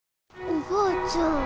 おばあちゃん。